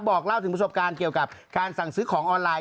บอกเล่าถึงประสบการณ์เกี่ยวกับการสั่งซื้อของออนไลน